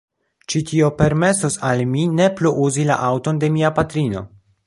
Ĉi tio permesos al mi ne plu uzi la aŭton de mia patrino.